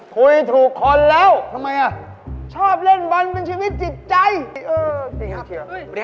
คุยถูกคนแล้วชอบเล่นบอลเป็นชีวิตจิตใจทำไมล่ะ